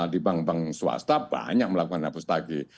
di bank bank swasta banyak melakukan hapus tagih